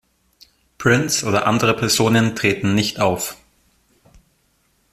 Prince oder andere Personen treten nicht auf.